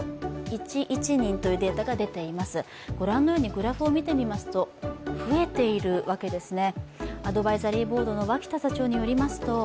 グラフを見てみますと増えているわけですね。